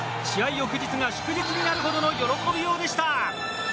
翌日が祝日になるほどの喜びようでした。